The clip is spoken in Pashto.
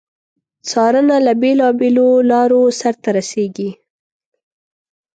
څارنه له بیلو بېلو لارو سرته رسیږي.